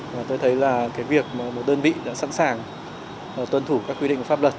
và tôi thấy là cái việc một đơn vị đã sẵn sàng tuân thủ các quy định của pháp luật